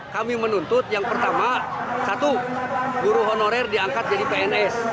kami menuntut yang pertama satu guru honorer diangkat jadi pns